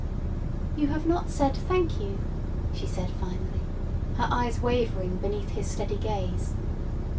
"You have not said, 'Thank you,'" she said, finally, her eyes wavering beneath his steady gaze.